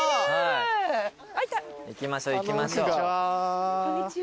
行きましょう行きましょう。